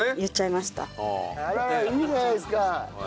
いいじゃないですか。